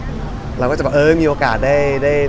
เราก็จะบอกเออมีโอกาสได้